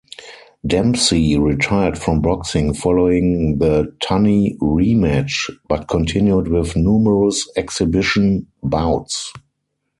Dempsey retired from boxing following the Tunney rematch, but continued with numerous exhibition bouts.